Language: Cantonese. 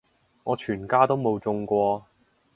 我全家都冇中過